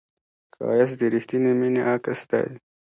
ښایست د رښتینې مینې عکس دی